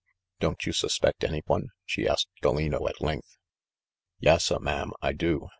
"Don't you suspect any one?" she asked Gallino at length. "Yassa, ma'am, I do.